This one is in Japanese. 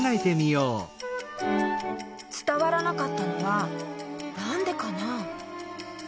つたわらなかったのはなんでかな？